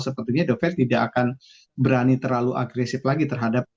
sebetulnya the fed tidak akan berani terlalu agresif lagi terhadap